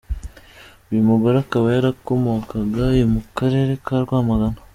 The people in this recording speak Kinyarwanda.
Uyu mugore akaba yarakomokaga i mu karere ka Rwamagana.